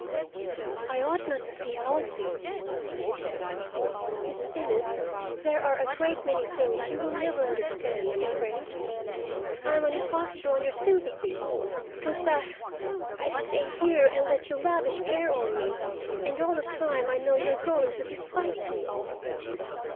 "I ought not to see Halsey," she said. "Miss Innes, there are a great many things you will never understand, I am afraid. I am an impostor on your sympathy, because I—I stay here and let you lavish care on me, and all the time I know you are going to despise me."